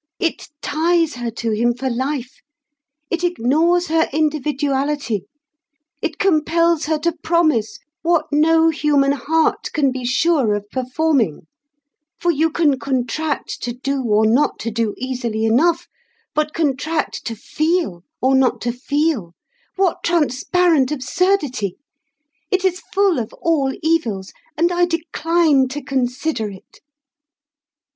It ties her to him for life, it ignores her individuality, it compels her to promise what no human heart can be sure of performing; for you can contract to do or not to do, easily enough, but contract to feel or not to feel—what transparent absurdity! It is full of all evils, and I decline to consider it.